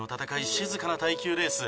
静かな耐久レース。